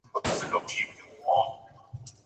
推进可以使用传统水下螺旋桨或喷水机。